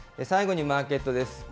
最後にマーケットです。